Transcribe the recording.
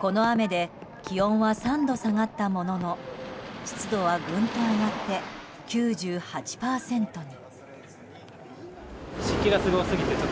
この雨で気温は３度下がったものの湿度はぐんと上がって９８％に。